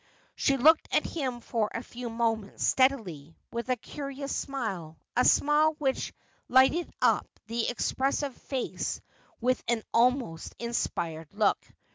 She looked at him for a few moments steadily, with a curious smile, a smile which lighted up the expressive face with an almost inspired look.